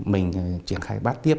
mình triển khai bắt tiếp